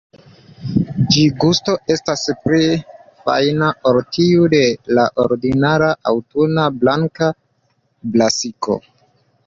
Ĝia gusto estas pli fajna ol tiu de la ordinara, aŭtuna blanka brasiko.